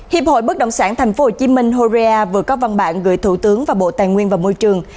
hiệp hội bất động sản tp hcm horea vừa có văn bản gửi thủ tướng và bộ tài nguyên và môi trường